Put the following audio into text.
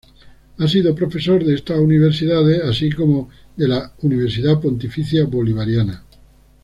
Ha sido profesor de estas universidades, así como de la Universidad Pontificia Bolivariana.